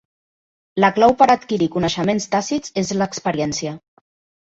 La clau per adquirir coneixements tàcits és l'experiència.